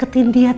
belum ada kau